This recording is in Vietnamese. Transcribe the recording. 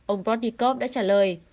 ông protnikov đã trả lời